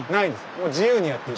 もう自由にやっていい。